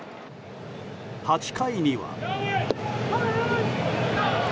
８回には。